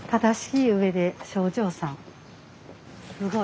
すごい。